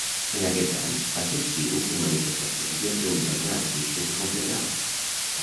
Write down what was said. En aquests anys va ser assidu en manifestacions i en reunions anarquistes i confederals.